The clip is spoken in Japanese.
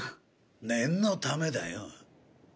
念のためだよ。